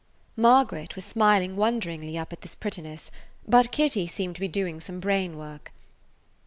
Margaret was smiling wonderingly up at this prettiness, but Kitty seemed to be doing some brain work.